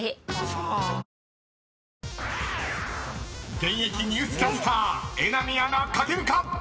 ［現役ニュースキャスター榎並アナ書けるか⁉］